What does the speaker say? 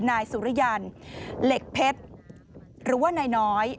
นายสุริยันเหล็กเพชรหรือว่านายน้อย